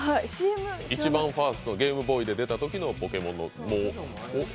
一番ファースト、ゲームボーイで出たときの「ポケモン」。